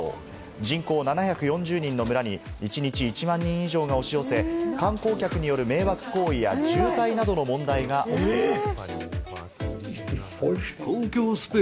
人口７４０人の村に、一日１万人以上が押し寄せ、観光客による迷惑行為や渋滞などの問題が起きています。